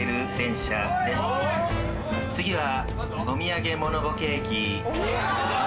次は。